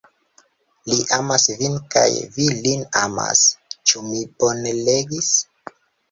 Li amas vin kaj vi lin amas! Ĉu mi bone legis?